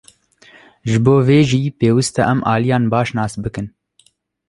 Ji bo vê jî pêwîst e em aliyan baş nas bikin.